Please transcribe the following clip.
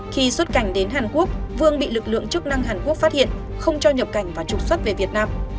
khi xuất cảnh đến hàn quốc vương bị lực lượng chức năng hàn quốc phát hiện không cho nhập cảnh và trục xuất về việt nam